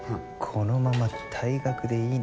このまま退学でいいのか？